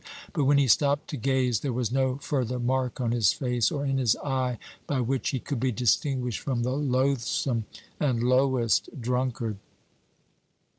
But when he stopped to gaze, there was no further mark on his face or in his eye by which he could be distinguished from the loathsome and lowest drunkard.